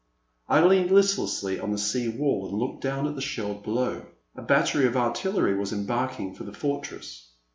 I leaned listlessly on the sea wall and looked down at the Scheldt below. A battery of artil lery was embarking for the fortress.